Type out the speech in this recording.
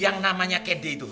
yang namanya kedi itu